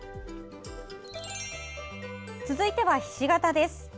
続いては、ひし形です。